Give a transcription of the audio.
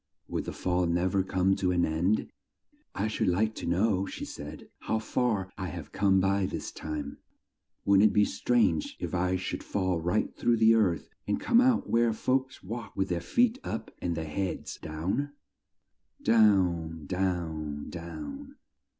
Would the fall nev er come to an end? "I should like to know," she said, "how far I have come by this time. Wouldn't it be strange if I should fall right through the earth and come out where the folks walk with their feet up and their heads down?" Down, down, down.